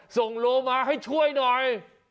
ส่งโลมาให้ช่วยหน่อย